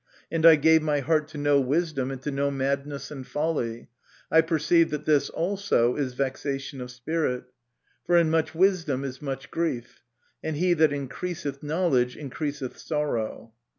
And I gave my heart to know wisdom, and to know madness and folly : I perceived that this also is vexation of spirit. For in much wisdom is much grief: and he that increaseth knowledge increaseth sorrow.